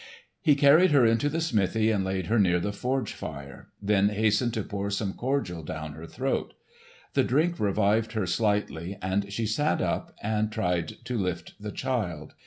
He carried her into the smithy and laid her near the forge fire, then hastened to pour some cordial down her throat. The drink revived her slightly and she sat up and tried to lift the child.